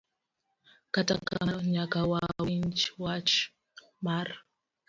Kata kamano nyaka wang'i wach mar